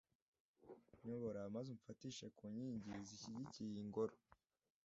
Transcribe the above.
nyobora maze umfatishe ku nkingi zishyigikiye iyi ngoro